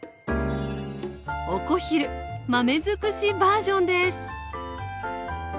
お小昼豆づくしバージョンです！